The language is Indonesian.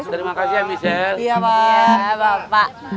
terima kasih ya michelle